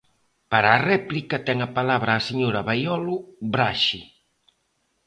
Para a réplica, ten a palabra a señora Baiolo Braxe.